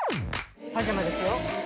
パジャマですよ。